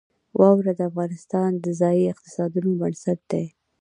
واوره د افغانستان د ځایي اقتصادونو بنسټ دی.